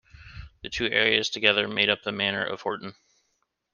The two areas together made up the Manor of Horton.